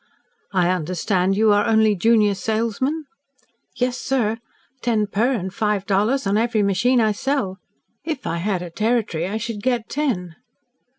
"I understand you are only junior salesman?" "Yes, sir. Ten per and five dollars on every machine I sell. If I had a territory, I should get ten."